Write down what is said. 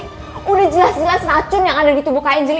sudah jelas jelas racun yang ada di tubuh kanjeli